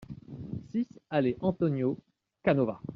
six allée Antonio Canova